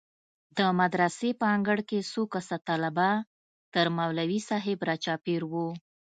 د مدرسې په انګړ کښې څو کسه طلبا تر مولوي صاحب راچاپېر وو.